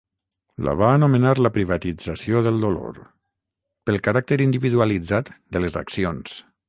La va anomenar la ‘privatització del dolor’, pel caràcter individualitzat de les accions.